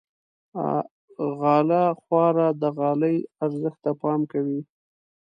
غاله خواره د غالۍ ارزښت ته پام کوي.